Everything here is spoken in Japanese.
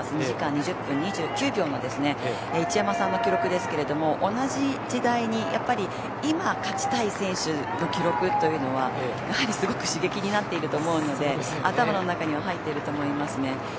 ２時間２０分２９秒の一山さんの記録ですけど同じ時代に今勝ちたい選手の記録というのはやはりすごく刺激になっていると思うので頭の中には入っていると思いますね。